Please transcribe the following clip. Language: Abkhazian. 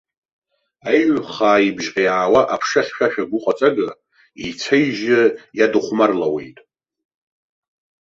Аиҩхаа ибжьҟьа иааиуа аԥша хьшәашәа гәыҟаҵага, ицәа-ижьы иадыхәмарлауеит.